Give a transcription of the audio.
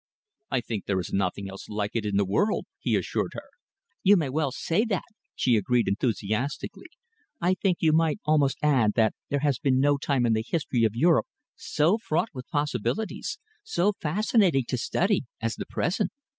"I think there is nothing else like it in the world," he assured her. "You may well say that," she agreed enthusiastically. "I think you might almost add that there has been no time in the history of Europe so fraught with possibilities, so fascinating to study, as the present."